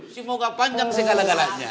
semoga panjang segala galanya